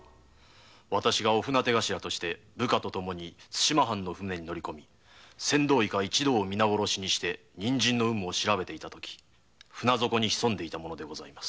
私が御船手頭として対馬藩の船に乗り込み船頭以下を皆殺しにして人参の有無を調べていた時船底に潜んでいた者でございます。